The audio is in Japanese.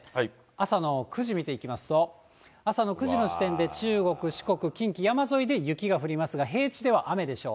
朝の９時見ていきますと、朝の９時の時点で中国、四国、近畿、山沿いで雪が降りますが、平地では雨でしょう。